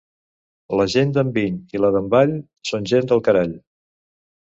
La gent d'Enviny i la d'Envall són gent del carall.